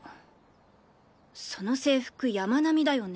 その制服山南だよね？